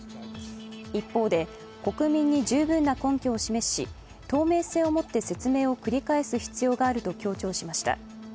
一方で、国民に十分な根拠を示し透明性をもって説明を繰り返す必要があると強調しました。